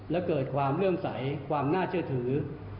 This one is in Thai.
และเกิดความเรื่องใสความน่าเชื่อถือ